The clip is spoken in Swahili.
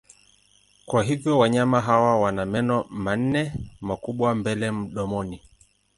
Kwa hivyo wanyama hawa wana meno manne makubwa mbele mdomoni.